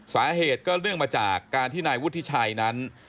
สาเหตุก็เนื่องมาจากการที่นายวุฒิชัยนั้น